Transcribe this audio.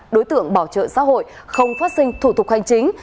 đối tượng bảo trợ xã hội không phát sinh thủ tục hành chính